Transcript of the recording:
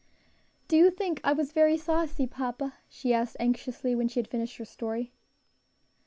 "Do you think I was very saucy, papa?" she asked anxiously, when she had finished her story.